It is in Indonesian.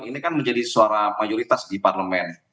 ini kan menjadi suara mayoritas di parlemen